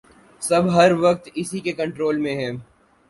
سب ہر وقت اسی کے کنٹرول میں ہیں